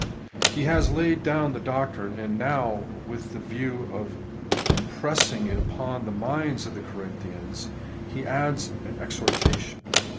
He has laid down the doctrine, and now, with the view of impressing it upon the minds of the Corinthians, he adds an exhorta tion.